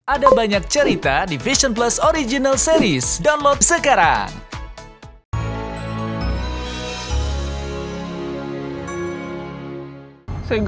ada banyak cerita di vision plus original series download sekarang